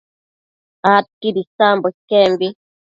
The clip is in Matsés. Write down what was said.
adquid isambo iquembi